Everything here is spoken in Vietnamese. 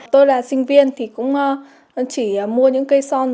tôi là sinh viên thì cũng chỉ mua những cây son